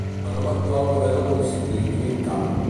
El nom actual prové del municipi Green Camp.